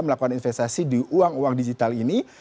melakukan investasi di uang uang digital ini